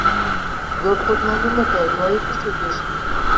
زۆر خۆت ماندوو مەکە، دوایێ پشتت دێشێ.